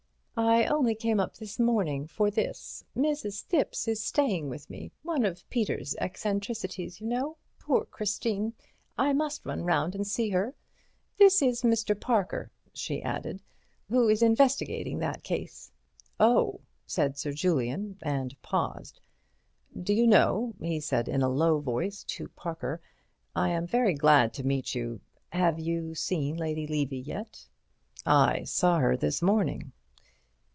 "I only came up this morning, for this. Mrs. Thipps is staying with me—one of Peter's eccentricities, you know. Poor Christine! I must run round and see her. This is Mr. Parker," she added, "who is investigating that case." "Oh," said Sir Julian, and paused. "Do you know," he said in a low voice to Parker, "I am very glad to meet you. Have you seen Lady Levy yet?" "I saw her this morning."